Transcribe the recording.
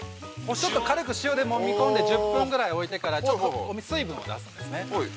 ちょっと軽く塩でもみ込んで１０分ぐらい置いてから水分を出すんですね。